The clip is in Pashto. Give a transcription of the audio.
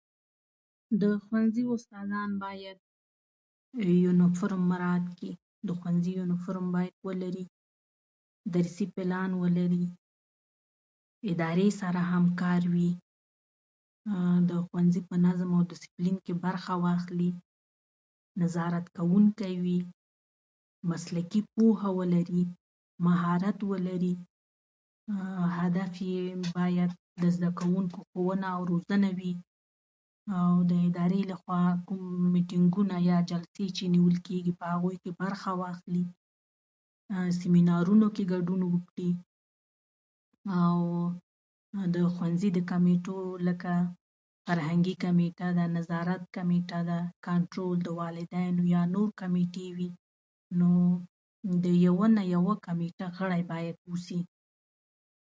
۴. موږ کور ته لاړو، خو کور کې څوک نه وو، ځکه چې ټوله کورنۍ مو ښار ته تللي وو.